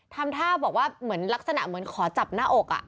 ทำท่าบอกว่าเหมือนลักษณะเหมือนขอจับหน้าอก